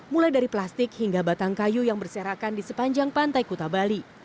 mulai dari plastik hingga batang kayu yang berserakan di sepanjang pantai kuta bali